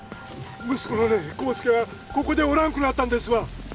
息子のね康介はここでおらんくなったんですわ